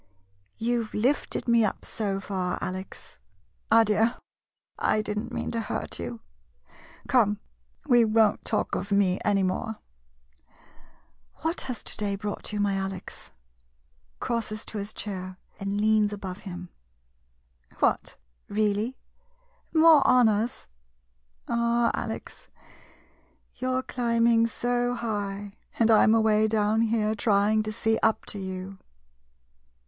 You 've lifted me up, so far, Alex. [Quickly.] Ah, dear — I did n't mean to hurt you. ... Come, we won't talk of me any more — what has ten day brought you, my Alex ? [Crosses to his chair and leans abape him.] What — really? More honors? Ah— Alex, you're climbing so high, and I'm away down here, trying to see up to you.